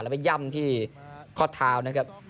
แล้วก็ย่ำที่ข้อเท้านะครับ